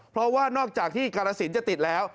เพราะว่านอกจากที่กาลสินจะติดแล้ว